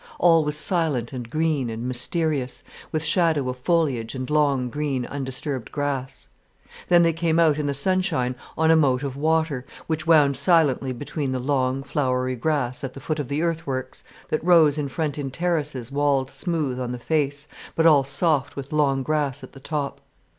All was silent and green and mysterious, with shadow of foliage and long, green, undisturbed grass. Then they came out in the sunshine on a moat of water, which wound silently between the long, flowery grass, at the foot of the earthworks, that rose in front in terraces walled smooth on the face, but all soft with long grass at the top.